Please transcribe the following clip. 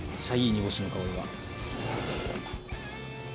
煮干しの香りが。